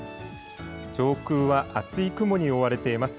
上空は厚い雲に覆われています。